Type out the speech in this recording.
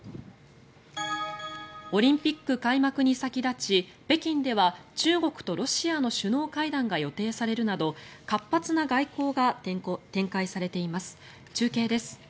オリンピック開幕に先立ち北京では中国とロシアの首脳会談が予定されるなど活発な外交が展開されています。